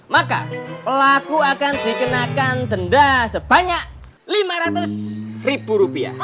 maka pelaku akan dikenakan denda sebanyak lima ratus ribu rupiah